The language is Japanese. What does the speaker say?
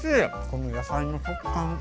この野菜の食感。